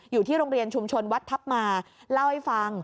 อยู่ที่โรงเรียนชุมชนวัดทัพมาเล่าให้ฟัง